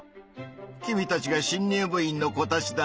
君たちが新入部員の子たちだね。